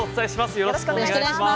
よろしくお願いします。